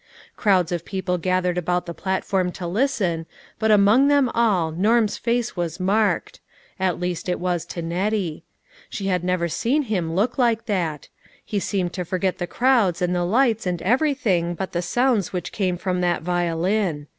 Crowds of people gathered about the platform to listen, but among them all Norm's face was marked ; at least it was to Nettie. She had never seen him look like that. He seemed to forget the crowds, and the lights, and everything but the sounds which came from that violin.